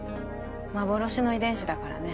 幻の遺伝子だからね。